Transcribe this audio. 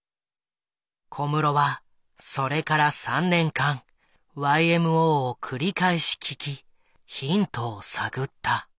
小室はそれから３年間ＹＭＯを繰り返し聴きヒントを探った。